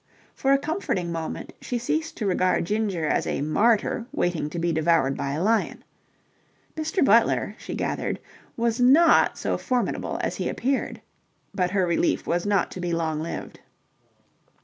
For a comforting moment she ceased to regard Ginger as a martyr waiting to be devoured by a lion. Mr. Butler, she gathered, was not so formidable as he appeared. But her relief was not to be long lived.